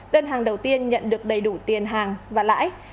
đơn hàng đầu tiên nhận được đầy đủ tiền hàng và lãi